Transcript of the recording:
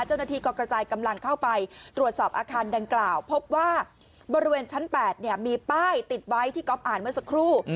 เจ้าหน้าที่ก็กระจายกำลังเข้าไปตรวจสอบอาคารดังกล่าวพบว่าบริเวณชั้น๘มีป้ายติดไว้ที่ก๊อฟอ่านเมื่อสักครู่